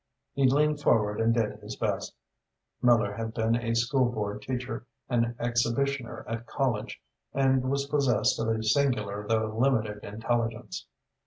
He leaned forward and did his best. Miller had been a school board teacher, an exhibitioner at college, and was possessed of a singular though limited intelligence.